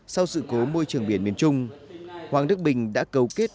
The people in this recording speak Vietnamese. sau sự cố môi trường biển miền trung hoàng đức bình đã cấu kết